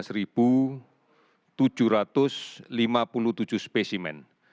sebanyak sembilan belas tujuh ratus lima puluh tujuh spesimen